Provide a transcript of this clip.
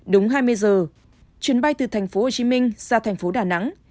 đúng hai mươi giờ chuyến bay từ thành phố hồ chí minh ra thành phố đà nẵng